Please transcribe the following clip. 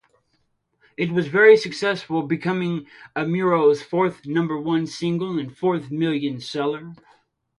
It was very successful, becoming Amuro's fourth number one single and fourth million-seller.